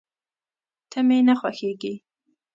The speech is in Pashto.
ته مي نه خوښېږې !